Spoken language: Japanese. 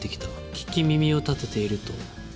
聞き耳を立てていると。